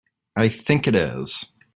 I think it is.